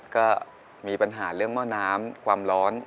ก็มีปัญหาเรื่องหม้อน้ำความร้อน